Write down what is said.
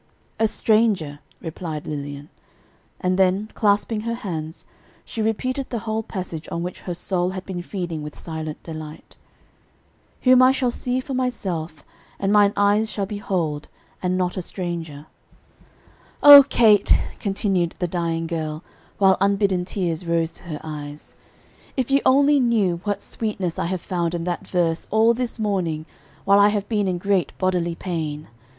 "A stranger" replied Lilian; and then, clasping her hands, she repeated the whole passage on which her soul had been feeding with silent delight: "'Whom I shall see for myself, and mine eyes shall behold, and not a stranger.' [Illustration: "Whom I shall see for myself."] "O Kate," continued the dying girl, while unbidden tears rose to her eyes, "if you only knew what sweetness I have found in that verse all this morning while I have been in great bodily pain!